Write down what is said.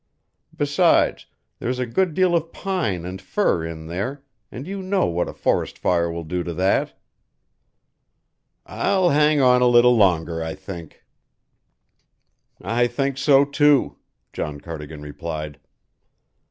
Besides, there's a good deal of pine and fir in there, and you know what a forest fire will do to that." "I'll hang on a little longer, I think." "I think so, too," John Cardigan replied.